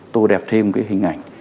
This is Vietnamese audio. tô đẹp thêm hình ảnh